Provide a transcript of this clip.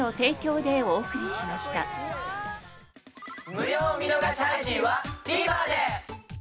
無料見逃し配信はＴＶｅｒで！